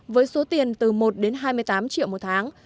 với số tiền từ một đến hai mươi tám triệu một tháng